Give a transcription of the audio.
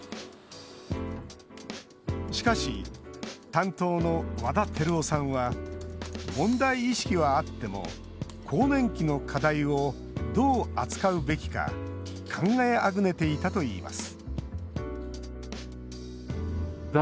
しかし、担当の和田輝夫さんは問題意識はあっても更年期の課題をどう扱うべきか考えあぐねていたといいます